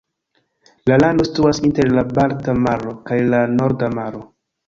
La lando situas inter la Balta maro kaj la Norda Maro.